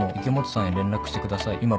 池本さんへ連絡してください」